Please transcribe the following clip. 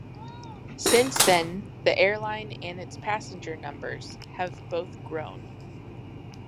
Since then, the airline and its passenger numbers have both grown.